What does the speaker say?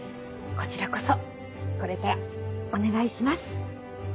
こちらこそこれからお願いします。